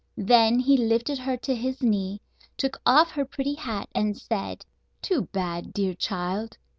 Then he lifted her to his knee, took off her pretty hat, and said: "Too bad, dear child!